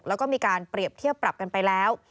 แล้วก็มีการเปรียบเทียบปรับกันไปแล้ว